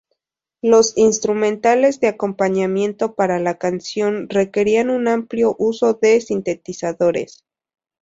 Los instrumentales de acompañamiento para la canción requerían un amplio uso de sintetizadores.